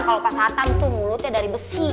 kalau pasatan itu mulutnya dari besi